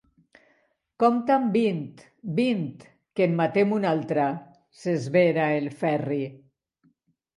Compta'n vint, vint, que en matem una altra! –s'esvera el Ferri.